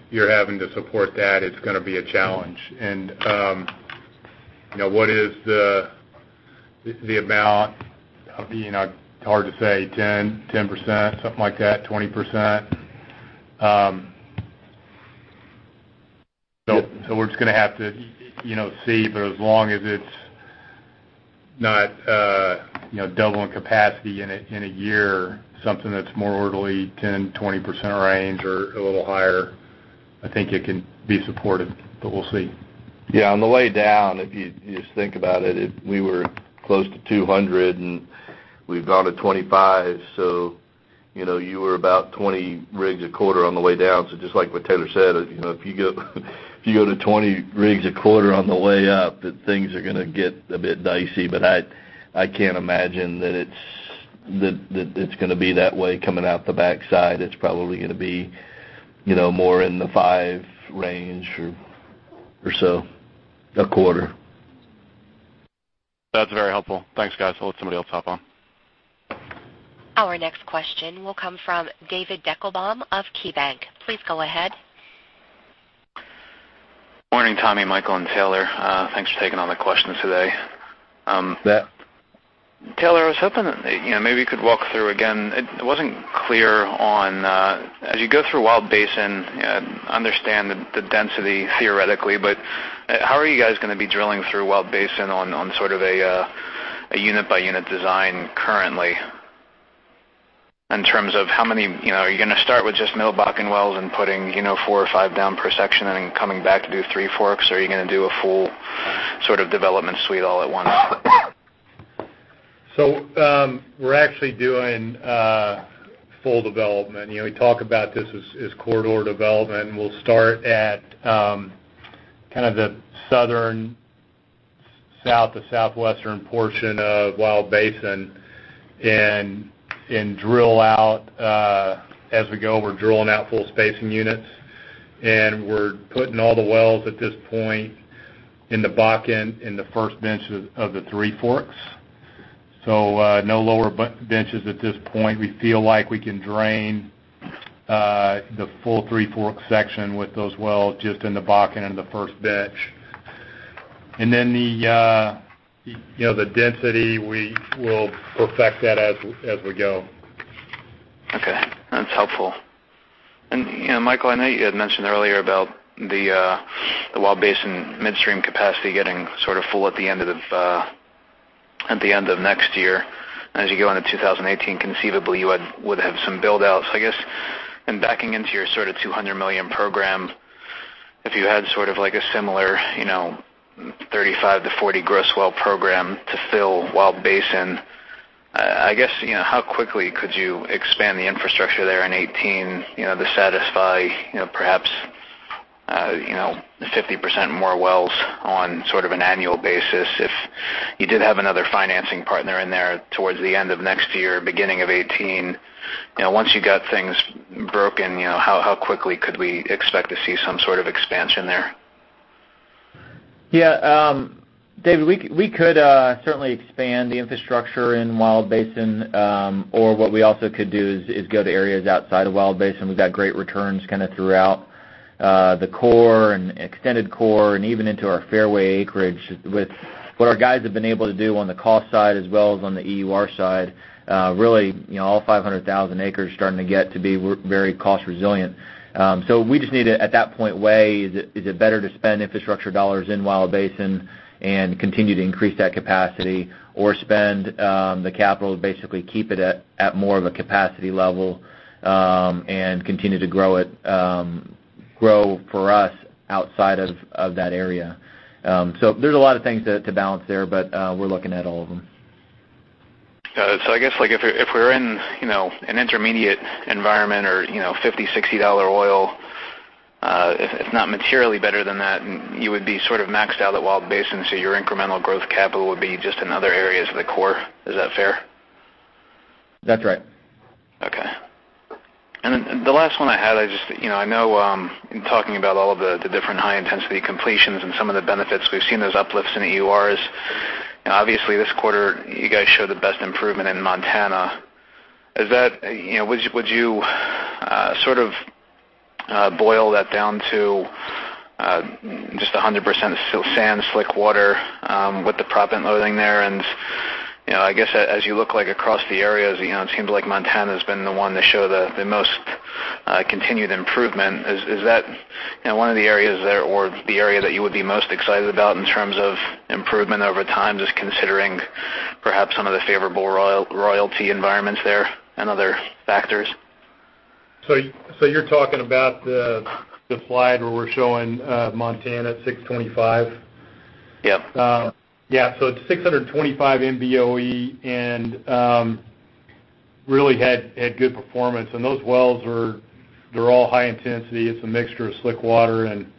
S4: you're having to support that, it's going to be a challenge. What is the amount? It's hard to say, 10%, something like that, 20%. We're just going to have to see, as long as it's not doubling capacity in a year, something that's more orderly, 10%, 20% range or a little higher, I think it can be supported, but we'll see.
S2: Yeah, on the way down, if you just think about it, we were close to 200, and we've gone to 25. You were about 20 rigs a quarter on the way down. Just like what Taylor said, if you go to 20 rigs a quarter on the way up, things are going to get a bit dicey. I can't imagine that it's going to be that way coming out the backside. It's probably going to be more in the five range or so a quarter.
S12: That's very helpful. Thanks, guys. I'll let somebody else hop on.
S1: Our next question will come from David Deckelbaum of KeyBank. Please go ahead.
S13: Morning, Tommy, Michael, and Taylor. Thanks for taking all the questions today.
S2: Yeah.
S13: Taylor, I was hoping maybe you could walk through again. It wasn't clear on, as you go through Wild Basin, I understand the density theoretically, how are you guys going to be drilling through Wild Basin on a unit-by-unit design currently in terms of Are you going to start with just Middle Bakken wells and putting four or five down per section and then coming back to do Three Forks? Are you going to do a full development suite all at once?
S4: We're actually doing full development. We talk about this as corridor development, and we'll start at kind of the southern, south to southwestern portion of Wild Basin and drill out. As we go, we're drilling out full spacing units, and we're putting all the wells at this point in the Bakken in the first bench of the Three Forks. No lower benches at this point. We feel like we can drain the full Three Forks section with those wells just in the Bakken in the first bench. The density, we will perfect that as we go.
S13: Michael, I know you had mentioned earlier about the Wild Basin midstream capacity getting sort of full at the end of next year. You go into 2018, conceivably, you would have some build-outs. I guess, in backing into your sort of $200 million program, if you had sort of like a similar 35-40 gross well program to fill Wild Basin, I guess, how quickly could you expand the infrastructure there in 2018 to satisfy perhaps 50% more wells on sort of an annual basis? If you did have another financing partner in there towards the end of next year, beginning of 2018, once you got things broken, how quickly could we expect to see some sort of expansion there?
S2: Yeah. David, we could certainly expand the infrastructure in Wild Basin. What we also could do is go to areas outside of Wild Basin. We've got great returns kind of throughout the core and extended core and even into our fairway acreage. With what our guys have been able to do on the cost side as well as on the EUR side, really, all 500,000 acres are starting to get to be very cost resilient. We just need to, at that point, weigh, is it better to spend infrastructure $ in Wild Basin and continue to increase that capacity or spend the capital to basically keep it at more of a capacity level and continue to grow for us outside of that area? There's a lot of things to balance there, but we're looking at all of them.
S13: Got it. I guess, if we're in an intermediate environment or $50, $60 oil, if not materially better than that, you would be sort of maxed out at Wild Basin, so your incremental growth capital would be just in other areas of the core. Is that fair?
S2: That's right.
S13: Okay. The last one I had, I know in talking about all of the different high-intensity completions and some of the benefits, we've seen those uplifts in EURs. Obviously, this quarter, you guys showed the best improvement in Montana. Would you boil that down to just 100% sand slickwater with the proppant loading there. I guess as you look across the areas, it seems like Montana's been the one to show the most continued improvement. Is that one of the areas there or the area that you would be most excited about in terms of improvement over time, just considering perhaps some of the favorable royalty environments there and other factors?
S4: You're talking about the slide where we're showing Montana at 625?
S13: Yep.
S4: Yeah. It's 625 MBOE and really had good performance. Those wells are all high intensity. It's a mixture of slickwater and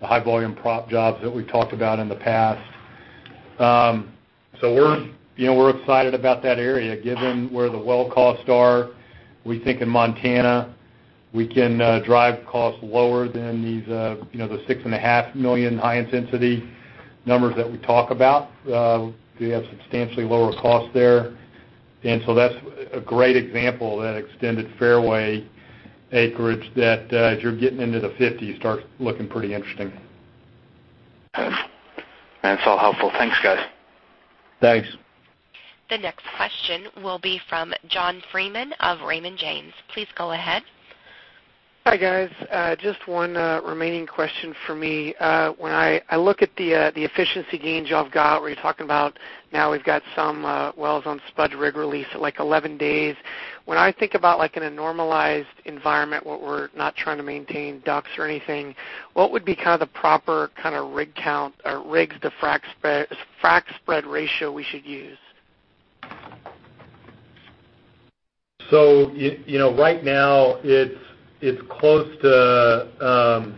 S4: the high volume prop jobs that we've talked about in the past. We're excited about that area given where the well costs are. We think in Montana, we can drive costs lower than the $6.5 million high intensity numbers that we talk about. We have substantially lower costs there. That's a great example of that extended fairway acreage that as you're getting into the 50s, starts looking pretty interesting.
S13: Okay. That's all helpful. Thanks, guys.
S4: Thanks.
S1: The next question will be from John Freeman of Raymond James. Please go ahead.
S14: Hi, guys. Just one remaining question for me. When I look at the efficiency gains y'all have got, where you're talking about now we've got some wells on spud rig release at 11 days. When I think about in a normalized environment where we're not trying to maintain DUCs or anything, what would be the proper rig count or rigs to frack spread ratio we should use?
S4: Right now, it's close to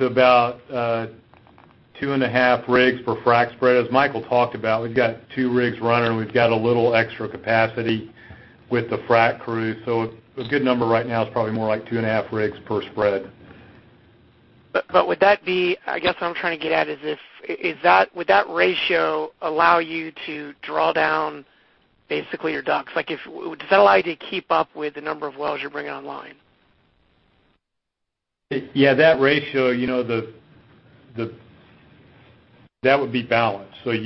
S4: about two and a half rigs per frack spread. As Michael talked about, we've got two rigs running. We've got a little extra capacity with the frack crew. A good number right now is probably more like two and a half rigs per spread.
S14: I guess what I'm trying to get at is, would that ratio allow you to draw down basically your DUCs? Does that allow you to keep up with the number of wells you're bringing online?
S4: Yeah, that ratio, that would be balanced.
S14: Okay.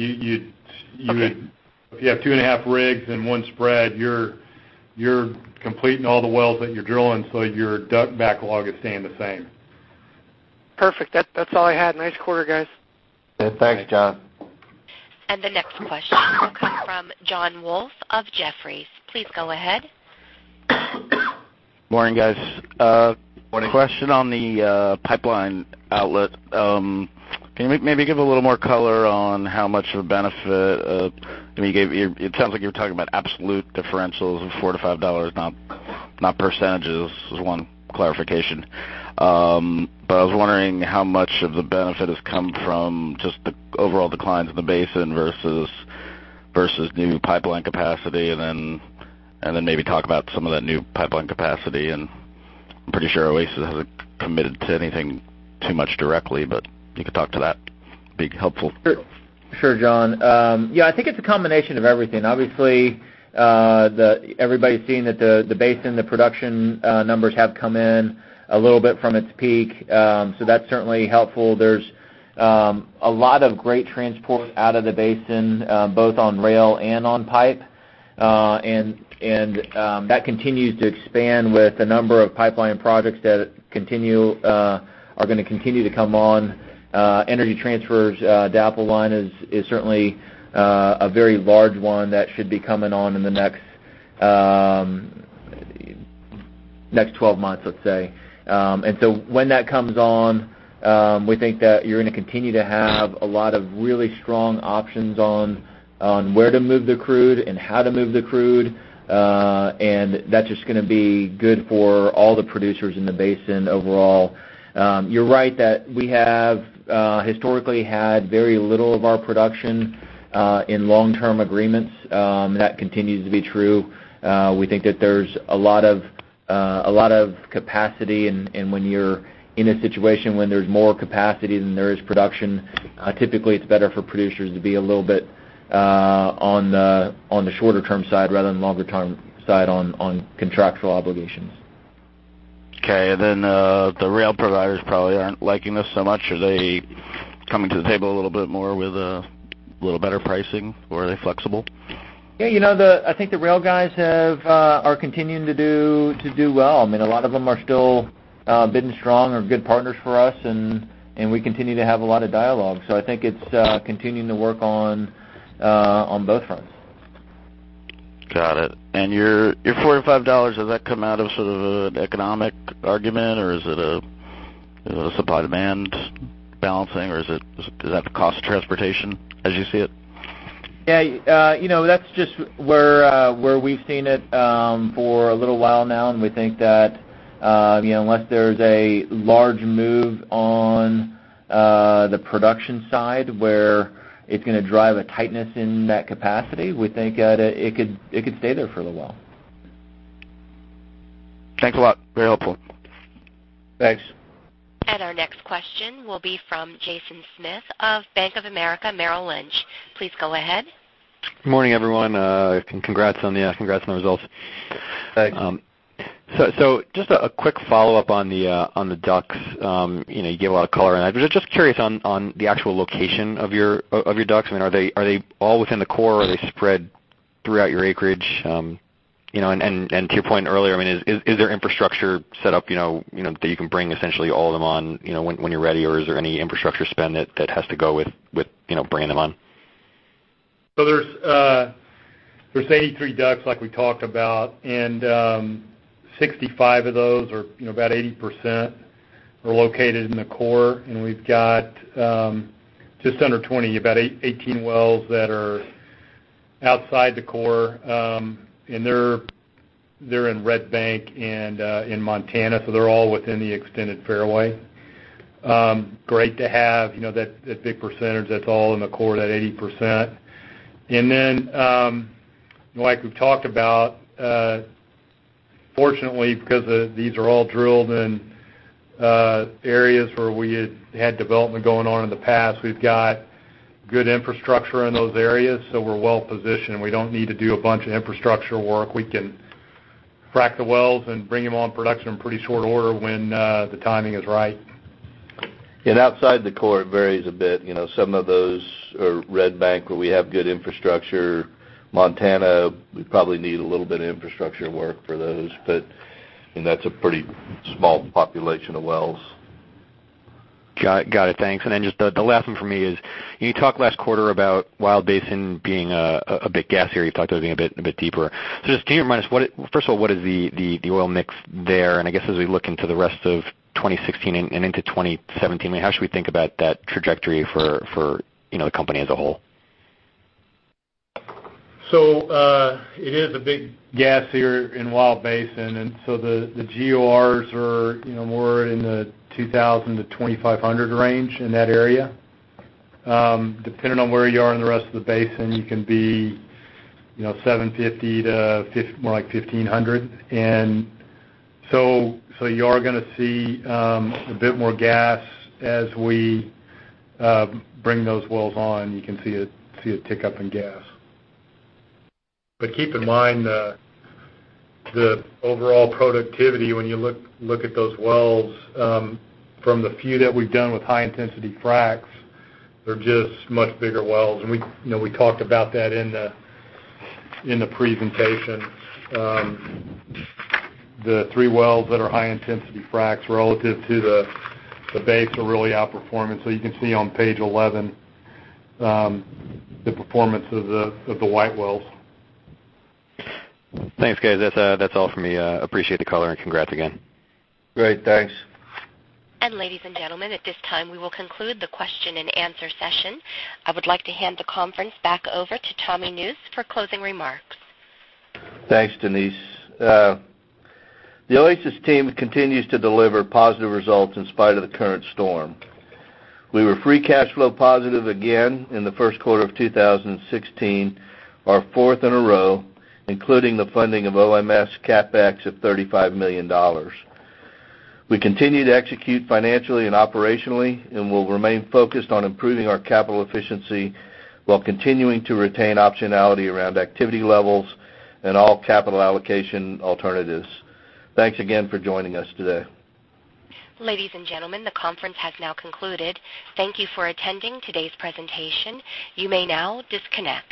S4: If you have two and a half rigs and one spread, you're completing all the wells that you're drilling, so your DUC backlog is staying the same.
S14: Perfect. That's all I had. Nice quarter, guys.
S4: Thanks, John.
S1: The next question will come from John Wulff of Jefferies. Please go ahead.
S15: Morning, guys.
S4: Morning.
S15: Question on the pipeline outlet. Can you maybe give a little more color on how much of a benefit— it sounds like you're talking about absolute differentials of $4-$5, not percentages. This is one clarification. I was wondering how much of the benefit has come from just the overall declines in the basin versus new pipeline capacity, then maybe talk about some of that new pipeline capacity. I'm pretty sure Oasis hasn't committed to anything too much directly, but if you could talk to that, it'd be helpful.
S2: Sure. John. Yeah, I think it's a combination of everything. Obviously, everybody's seen that the basin, the production numbers have come in a little bit from its peak. That's certainly helpful. There's a lot of great transport out of the basin, both on rail and on pipe. That continues to expand with the number of pipeline projects that are going to continue to come on. Energy Transfer's DAPL line is certainly a very large one that should be coming on in the next 12 months, let's say. When that comes on, we think that you're going to continue to have a lot of really strong options on where to move the crude and how to move the crude. That's just going to be good for all the producers in the basin overall. You're right that we have historically had very little of our production in long-term agreements. That continues to be true. We think that there's a lot of capacity, and when you're in a situation when there's more capacity than there is production, typically it's better for producers to be a little bit on the shorter term side rather than longer term side on contractual obligations.
S15: Okay. The rail providers probably aren't liking this so much. Are they coming to the table a little bit more with a little better pricing, or are they flexible?
S2: I think the rail guys are continuing to do well. I mean, a lot of them are still bidding strong or good partners for us, and we continue to have a lot of dialogue. I think it's continuing to work on both fronts.
S15: Got it. Your $4-$5, does that come out of sort of an economic argument, or is it a supply-demand balancing, or is it the cost of transportation as you see it?
S2: Yeah. That's just where we've seen it for a little while now, and we think that unless there's a large move on the production side where it's going to drive a tightness in that capacity, we think that it could stay there for a little while.
S15: Thanks a lot. Very helpful.
S4: Thanks.
S1: Our next question will be from Jason Gabelman of Bank of America Merrill Lynch. Please go ahead.
S16: Morning, everyone. Congrats on the results.
S4: Thanks.
S16: Just a quick follow-up on the DUCs. You gave a lot of color on that, I'm just curious on the actual location of your DUCs. Are they all within the core? Are they spread throughout your acreage? To your point earlier, is there infrastructure set up that you can bring essentially all of them on when you're ready, or is there any infrastructure spend that has to go with bringing them on?
S4: There's 83 DUCs, like we talked about, 65 of those, or about 80%, are located in the core. We've got just under 20, about 18 wells that are outside the core. They're in Red Bank and in Montana, they're all within the extended fairway. Great to have that big percentage that's all in the core, that 80%. Like we've talked about, fortunately, because these are all drilled in areas where we had had development going on in the past, we've got good infrastructure in those areas. We're well positioned, we don't need to do a bunch of infrastructure work. We can frack the wells and bring them on production in pretty short order when the timing is right.
S3: Outside the core, it varies a bit. Some of those are Red Bank, where we have good infrastructure. Montana, we probably need a little bit of infrastructure work for those, that's a pretty small population of wells.
S16: Got it. Thanks. Just the last one for me is, you talked last quarter about Wild Basin being a bit gassier. You talked about it being a bit deeper. Just can you remind us, first of all, what is the oil mix there? I guess as we look into the rest of 2016 and into 2017, how should we think about that trajectory for the company as a whole?
S4: It is a bit gassier in Wild Basin, and the GORs are more in the 2,000 to 2,500 range in that area. Depending on where you are in the rest of the basin, you can be 750 to more like 1,500. You are going to see a bit more gas as we bring those wells on. You can see a tick up in gas. Keep in mind, the overall productivity, when you look at those wells, from the few that we've done with high-intensity fracs, they're just much bigger wells, and we talked about that in the presentation. The three wells that are high-intensity fracs relative to the base are really outperforming. You can see on page 11 the performance of the white wells.
S16: Thanks, guys. That's all from me. Appreciate the color. Congrats again.
S3: Great. Thanks.
S1: Ladies and gentlemen, at this time, we will conclude the question and answer session. I would like to hand the conference back over to Tommy Nusz for closing remarks.
S3: Thanks, Denise. The Oasis team continues to deliver positive results in spite of the current storm. We were free cash flow positive again in the first quarter of 2016, our fourth in a row, including the funding of OMS CapEx of $35 million. We continue to execute financially and operationally and will remain focused on improving our capital efficiency while continuing to retain optionality around activity levels and all capital allocation alternatives. Thanks again for joining us today.
S1: Ladies and gentlemen, the conference has now concluded. Thank you for attending today's presentation. You may now disconnect.